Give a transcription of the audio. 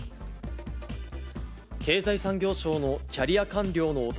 経済産業省のキャリア官僚の男